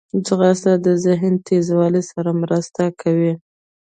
ځغاسته د ذهن تیزوالي سره مرسته کوي